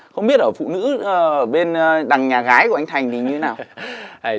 không biết ở phụ nữ bên đằng nhà gái của anh thành thì như thế nào